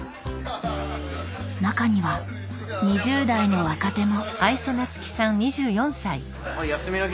中には２０代の若手も。